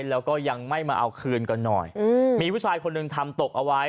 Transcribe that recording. แล้วก็ยังไม่มาเอาคืนก่อนหน่อยอืมมีผู้ชายคนหนึ่งทำตกเอาไว้